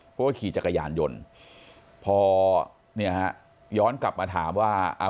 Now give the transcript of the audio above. เพราะว่าขี่จักรยานยนต์พอเนี่ยฮะย้อนกลับมาถามว่าอ่า